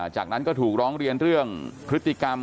จากนั้นก็ถูกร้องเรียนเรื่องพฤติกรรม